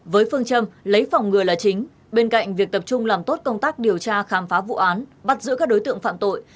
với phương châm lấy phòng ngừa là chính bên cạnh việc tập trung làm tốt công tác điều tra khám phá vụ án bắt giữ các đối tượng phạm tội